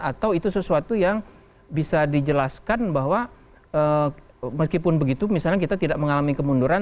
atau itu sesuatu yang bisa dijelaskan bahwa meskipun begitu misalnya kita tidak mengalami kemunduran